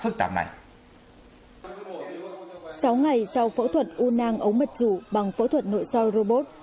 sáu ngày sau phẫu thuật u nang ống mật chủ bằng phẫu thuật nội soi robot